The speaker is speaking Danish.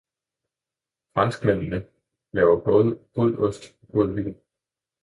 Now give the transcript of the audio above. Franskmændende laver både god ost og god vin.